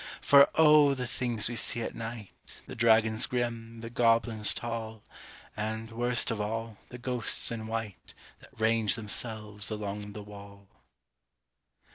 For O! the things we see at night The dragons grim, the goblins tall, And, worst of all, the ghosts in white That range themselves along the wall!